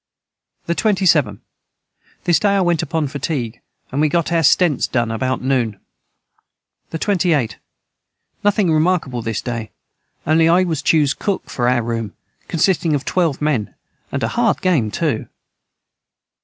the 27. This day I went upon fatigue and we got our Stents done about noon. the 28. Nothing remarkable this day onely I was chose cook for our room consisting of 12 men and a hard game too.